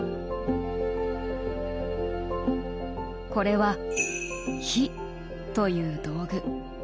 これは「杼」という道具。